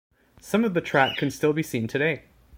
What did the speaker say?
Some of the track can still be seen today.